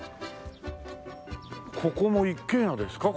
ここも一軒家ですか？